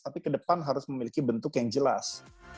tapi ke depan harus memiliki bentuk yang jelas